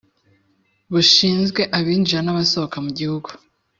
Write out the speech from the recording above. bushinzwe abinjira n’abasohoka mu gihugu